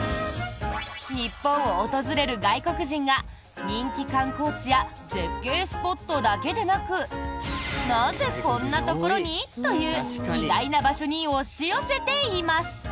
日本を訪れる外国人が人気観光地や絶景スポットだけでなくなぜこんなところに？という意外な場所に押し寄せています。